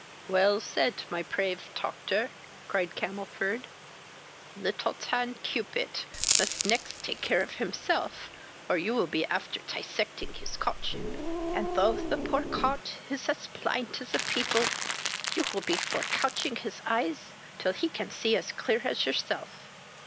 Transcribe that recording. "Well said, my prave toctor, (cried Camelford;) little tan Cupit must next take care of himself, or your will be after tissecting his cotship; and, though the poor cot is as plind as a peetle, you will be for couching his eyes, till he can see as clear as yourself."